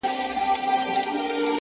په يوه جـادو دي زمـــوږ زړونه خپل كړي؛